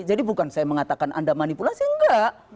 jadi bukan saya mengatakan anda manipulasi enggak